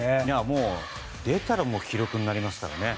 もう、出たら記録になりますからね。